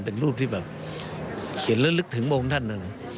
เป็นรูปที่แบบเขียนแล้วลึกถึงโมงท่านนะ